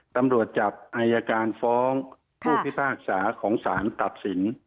ตำรวจจับอายการฟ้องผู้พิพากษาของสารตัดสิน